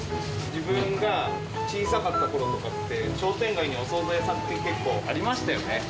自分が小さかったころとかって、商店街にお総菜屋さんって、結構ありましたよね。